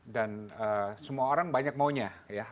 dan semua orang banyak maunya